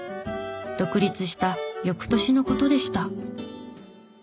独立した翌年の事でした。